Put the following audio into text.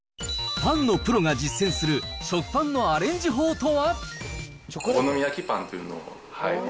パンのプロが実践する食パンのアレンジ法とは。